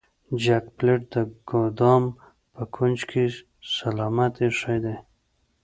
جک پلیټ د ګدام په کونج کې سلامت ایښی دی.